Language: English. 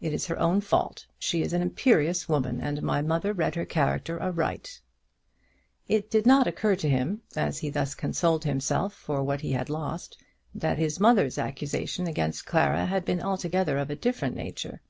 It is her own fault. She is an imperious woman, and my mother read her character aright." It did not occur to him, as he thus consoled himself for what he had lost, that his mother's accusation against Clara had been altogether of a different nature.